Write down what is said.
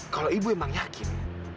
kalau ibu emang yakin